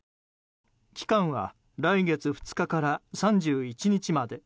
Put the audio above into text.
期間は来月２日から３１日まで。